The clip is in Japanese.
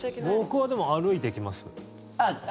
僕はでも、歩いていきます。